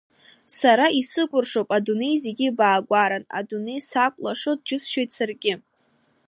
Са исыкәыршоуп адунеи зегьы баагәаран, адунеи сақәлахо џьысшьоит саргьы.